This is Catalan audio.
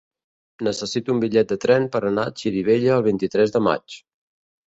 Necessito un bitllet de tren per anar a Xirivella el vint-i-tres de maig.